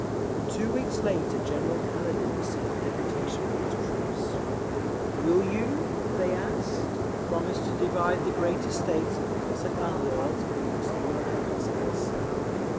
Two weeks later General Kaledin received a deputation from his troops. "Will you," they asked, "promise to divide the great estates of the Cossack landlords among the working Cossacks?"